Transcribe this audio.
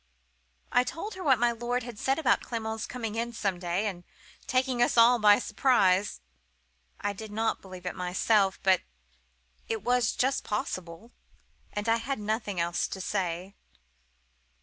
"I told her what my lord had said about Clement's coming in some day, and taking us all by surprise. I did not believe it myself, but it was just possible,—and I had nothing else to say.